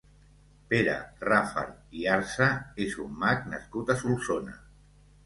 Pere Rafart i Arza és un mag nascut a Solsona.